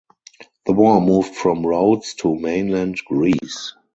The war moved from Rhodes to mainland Greece.